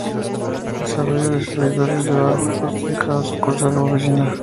Desarrollo de servidores de bajo coste en cada sucursal u oficina.